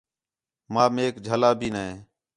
ماں میک جَھلاّ بھی نَے